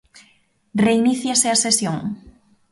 Reiníciase a sesión.